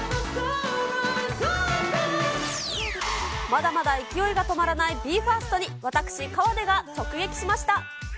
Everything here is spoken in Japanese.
まだまだ勢いが止まらないＢＥ：ＦＩＲＳＴに私、河出が直撃しました。